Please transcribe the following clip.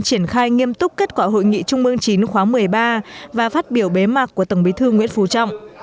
triển khai nghiêm túc kết quả hội nghị trung mương chín khóa một mươi ba và phát biểu bế mạc của tổng bí thư nguyễn phú trọng